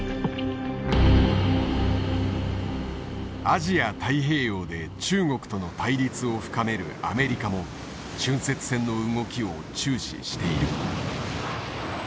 アジア太平洋で中国との対立を深めるアメリカも浚渫船の動きを注視している。